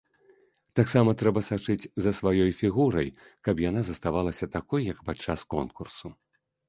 Таксама трэба сачыць за сваёй фігурай, каб яна заставалася такой, як падчас конкурсу.